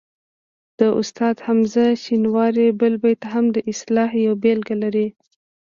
د استاد حمزه شینواري بل بیت هم د اصطلاح یوه بېلګه لري